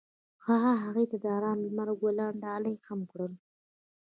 هغه هغې ته د آرام لمر ګلان ډالۍ هم کړل.